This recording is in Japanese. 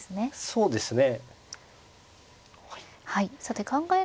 そうですね